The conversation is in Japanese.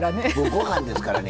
ご飯ですからね。